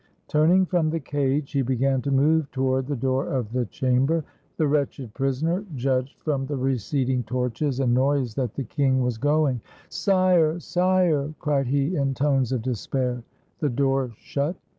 Turning from the cage, he began to move toward the door of the chamber. The wretched prisoner judged from the receding torches and noise that the king was going. "Sire! sire!" cried he, in tones of despair. The door shut.